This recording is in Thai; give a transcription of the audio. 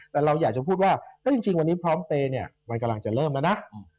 แต่เราอยากจะพูดว่าก็จริงวันนี้พร้อมเปย์เนี่ยมันกำลังจะเริ่มแล้วนะ